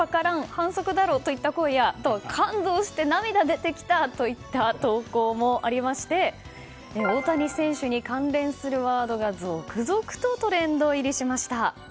反則だろ、といった声や感動して涙出てきたといった投稿もありまして大谷選手に関連するワードが続々とトレンド入りしました。